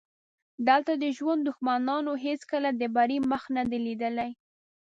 دلته د ژوند دښمنانو هېڅکله د بري مخ نه دی لیدلی.